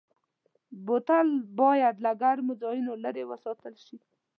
بوتل باید له ګرمو ځایونو لېرې وساتل شي.